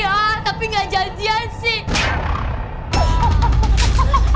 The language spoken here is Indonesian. iya tapi nggak jelas dia asik